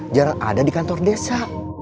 jarang ada di kantor desa